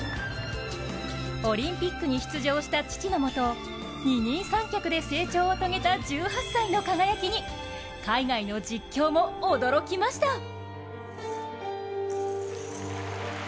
オリンピックに出場した父のもと、二人三脚で成長を遂げた１８歳の輝きに海外の実況も驚きました。